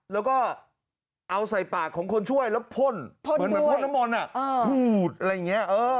แล้วก็เอาใส่ปากของคนช่วยแล้วพ่นเหมือนพ่นน้ำมนต์พูดอะไรอย่างนี้